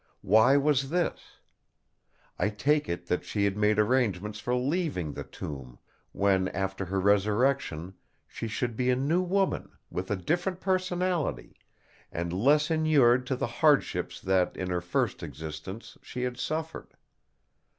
Why was this? I take it that she had made arrangements for leaving the tomb when, after her resurrection, she should be a new woman, with a different personality, and less inured to the hardships that in her first existence she had suffered.